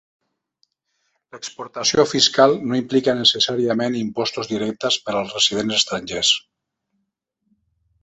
L'exportació fiscal no implica necessàriament impostos directes per als residents estrangers.